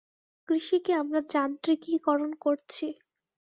কৃষিকে আমরা যান্ত্রিকীকরণ করছি।